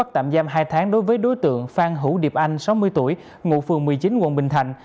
tạm giam hai tháng đối với đối tượng phan hữu điệp anh sáu mươi tuổi ngụ phường một mươi chín quận bình thạnh